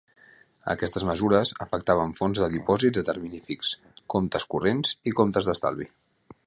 Aquestes mesures afectaven fons de dipòsits a termini fix, comptes corrents i comptes d'estalvi.